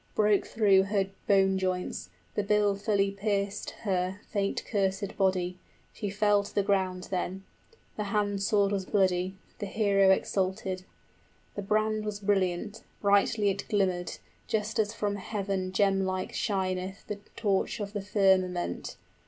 } Broke through her bone joints, the bill fully pierced her Fate cursèd body, she fell to the ground then: The hand sword was bloody, the hero exulted. The brand was brilliant, brightly it glimmered, 15 Just as from heaven gemlike shineth The torch of the firmament.